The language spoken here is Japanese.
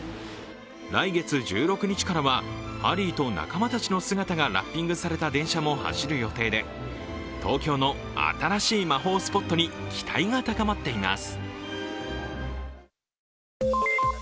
来月１６日からはハリーと仲間たちの姿がラッピングされた電車も走る予定で、東京の新しい魔法スポットに期待が高まっています。